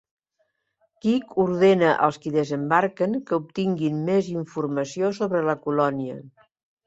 Kirk ordena als qui desembarquen que obtinguin més informació sobre la colònia.